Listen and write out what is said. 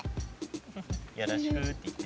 よろしくっていってるね。